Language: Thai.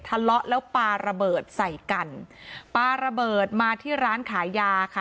ทะเลาะแล้วปลาระเบิดใส่กันปลาระเบิดมาที่ร้านขายยาค่ะ